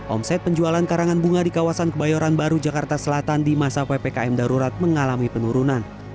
omset penjualan karangan bunga di kawasan kebayoran baru jakarta selatan di masa ppkm darurat mengalami penurunan